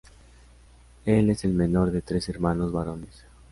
El es el menor de tres hermanos varones.